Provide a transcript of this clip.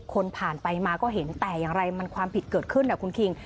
คนผ่านไปมาก็เห็นแต่อย่างไรมันความผิดเกิดขึ้นนะคุณคิง